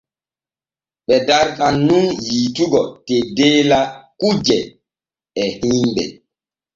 Ɓe dartan nun yiitugo teddella kujje e himɓe.